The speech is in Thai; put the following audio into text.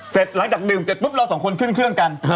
หลังจากดื่มเสร็จปุ๊บเราสองคนขึ้นเครื่องกัน